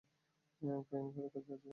Coin কার কাছে আছে?